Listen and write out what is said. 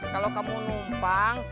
kalau kamu numpang